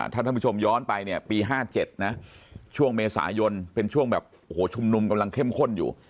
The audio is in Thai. ถ้าท่านผู้ชมย้อนไปเนี่ยปี๕๗นะช่วงเมษายนเป็นช่วงแบบโอ้โหชุมนุมกำลังเข้มข้นอยู่